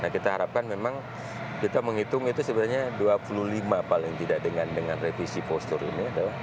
kita harapkan memang kita menghitung itu sebenarnya dua puluh lima paling tidak dengan revisi postur ini adalah